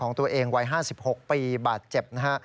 ของตัวเองวัย๕๖ปีบาดเจ็บ